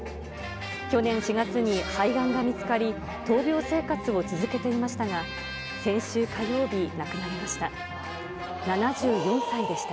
去年４月に肺がんが見つかり、闘病生活を続けていましたが、先週火曜日、亡くなりました。